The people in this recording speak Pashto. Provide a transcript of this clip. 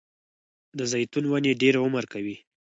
د زیتون ونې ډیر عمر کوي